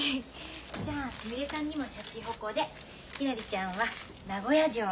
じゃあすみれさんにもしゃちほこでひらりちゃんは名古屋城。